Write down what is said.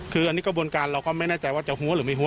คืออันนี้กระบวนการเราก็ไม่แน่ใจว่าจะหัวหรือไม่หัว